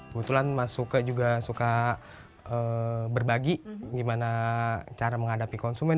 kebetulan mas suka juga suka berbagi gimana cara menghadapi konsumen